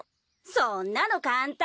そんなの簡単。